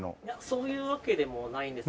そういうわけでもないんですけど。